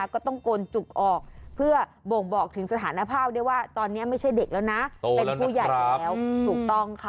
ก็ต้องโกนจุกออกเพื่อบ่งบอกถึงสถานภาพด้วยว่าตอนนี้ไม่ใช่เด็กแล้วนะเป็นผู้ใหญ่แล้วถูกต้องค่ะ